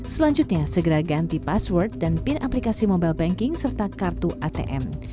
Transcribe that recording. selanjutnya segera ganti password dan pin aplikasi mobile banking serta kartu atm